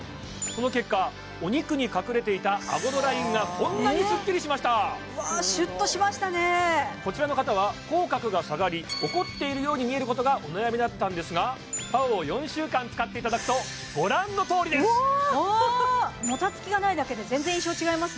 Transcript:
その結果お肉に隠れていたあごのラインがこんなにスッキリしましたシュッとしましたねこちらの方は口角が下がり怒っているように見えることがお悩みだったんですがＰＡＯを４週間使っていただくとご覧のとおりですもたつきがないだけで全然印象違いますね